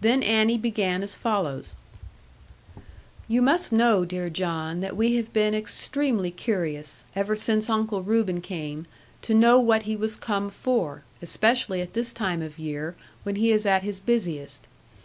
Then Annie began as follows: 'You must know, dear John, that we have been extremely curious, ever since Uncle Reuben came, to know what he was come for, especially at this time of year, when he is at his busiest.